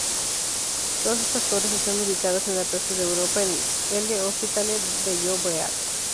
Todas estas torres están ubicadas en la plaza de Europa, en L'Hospitalet de Llobregat.